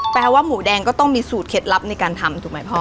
แปลว่าหมูแดงก็ต้องมีสูตรเคล็ดลับในการทำถูกไหมพ่อ